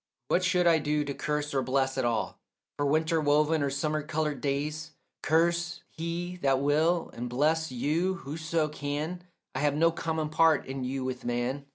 What should I do to curse or bless at all For winter woven or summer coloured days? Curse he that will and bless you whoso can, I have no common part in you with man.